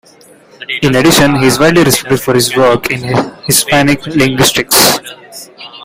In addition, he is widely respected for his work in Hispanic linguistics.